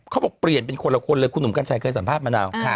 เปลี่ยนเป็นคนละคนเลยคุณหนุ่มกัญชัยเคยสัมภาษณมะนาว